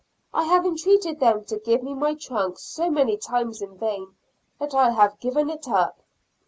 I have entreated them to give me my trunk so many times in vain that I have given it up.